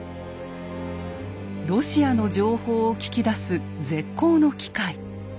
ロシアの情報を聞き出す絶好の機会。